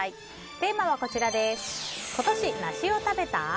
テーマは、今年梨を食べた？